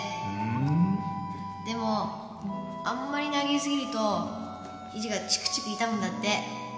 でもあんまり投げすぎるとひじがチクチク痛むんだって